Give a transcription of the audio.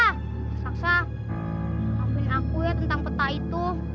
raksasa ngapain aku ya tentang peta itu